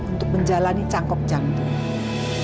untuk menjalani cangkok jantung